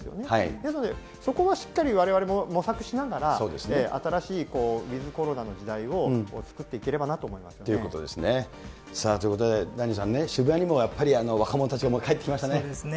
ですので、そこはしっかりわれわれも模索しながら、新しいウィズコロナの時代を作っていければなと思いますね。ということですね。ということで、ザニーさんね、渋谷にもやっぱり若者たちが帰ってきましたね。